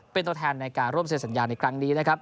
เป็นตัวแทนในการร่วมเซ็นสัญญาในครั้งนี้นะครับ